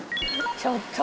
ちょっと。